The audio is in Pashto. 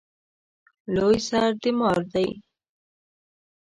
لوی سر د مار دی